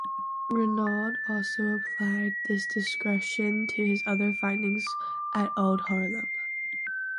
Renaud also applied this discretion to his other findings at Oud Haarlem.